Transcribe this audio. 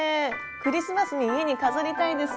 クリスマスに家に飾りたいです。